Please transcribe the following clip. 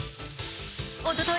おととい